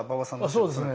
そうですね。